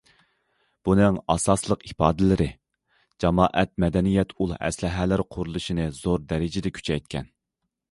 بۇنىڭ ئاساسلىق ئىپادىلىرى: جامائەت مەدەنىيەت ئۇل ئەسلىھەلىرى قۇرۇلۇشىنى زور دەرىجىدە كۈچەيتكەن.